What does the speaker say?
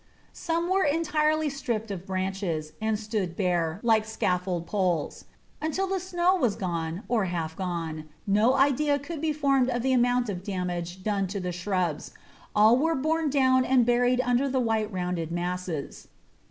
Some were entirely stripped of branches, and stood up bare, like scaffold poles. Until the snow was gone or half gone, no idea could be formed of the amount of damage done to shrubs; all were borne down and buried under the white rounded masses.